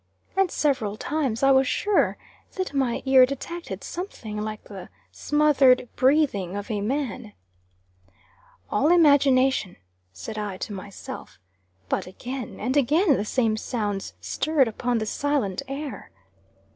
And several times I was sure that my ear detected something like the smothered breathing of a man. "All imagination," said I to myself. But again and again the same sounds stirred upon the silent air.